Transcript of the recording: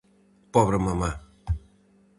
-Pobre mamá!